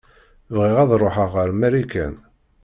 Bɣiɣ ad ṛuḥeɣ ar Marikan.